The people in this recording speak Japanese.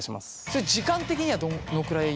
それ時間的にはどのくらい。